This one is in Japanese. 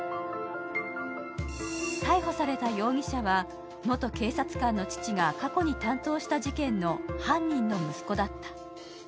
逮捕された容疑者は元警察官の父が過去に担当した事件の犯人の息子だった。